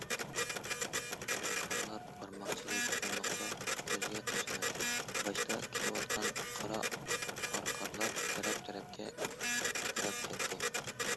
ئارقارلار بارماقچىلىك چوڭلۇقتا كۆزگە تاشلىناتتى، باشتا كېتىۋاتقان قارا ئارقارلار تەرەپ- تەرەپكە پىتىراپ كەتتى.